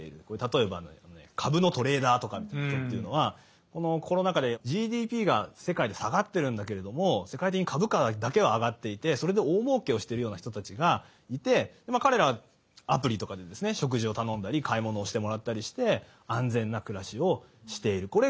これ例えば株のトレーダーとかっていう人はこのコロナ禍でＧＤＰが世界で下がってるんだけれども世界的に株価だけは上がっていてそれで大儲けをしてるような人たちがいて彼らはアプリとかで食事を頼んだり買い物をしてもらったりして安全な暮らしをしている。